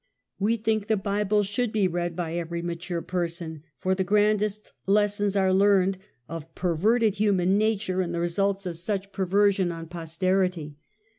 'We think the Bible should be read by every mature person, for the grandest lessons are learned of per verted human nature^ and the results of such per version on posterity.